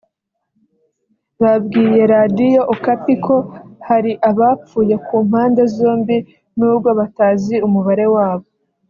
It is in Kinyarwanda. babwiye Radiyo Okapi ko hari abapfuye ku mpande zombi nubwo batazi umubare wabo